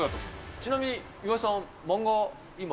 ちなみに岩井さん、漫画、今？